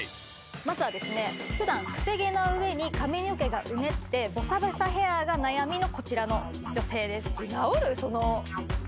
まずはですね普段クセ毛な上に髪の毛がうねってボサボサヘアが悩みのこちらの女性です。